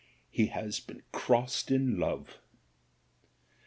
He has been crossed in love."